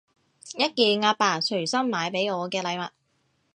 一件阿爸隨心買畀我嘅禮物